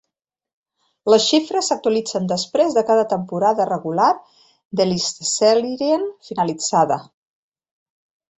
Les xifres s'actualitzen després de cada temporada regular d'Elitserien finalitzada.